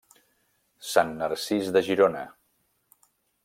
Sant Narcís de Girona.